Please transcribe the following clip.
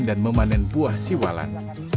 dan memanen buah siwalan